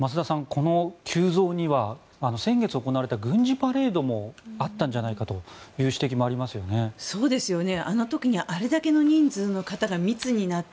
この急増には先月行われた軍事パレードもあったんじゃないかという指摘もありますよね。